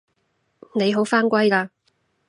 你好返歸喇